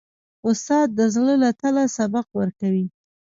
استاد د زړه له تله سبق ورکوي.